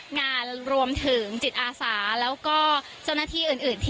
งานรวมถึงจิตอาศาและเจ้าหน้าที่อื่น